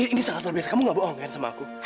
ini sangat luar biasa kamu gak bohong kan sama aku